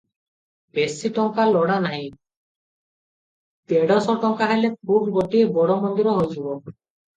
ବେଶି ଟଙ୍କା ଲୋଡ଼ା ନାହିଁ, ଦେଢ଼ଶ ଟଙ୍କା ହେଲେ ଖୁବ୍ ଗୋଟାଏ ବଡ଼ ମନ୍ଦିର ହୋଇଯିବ ।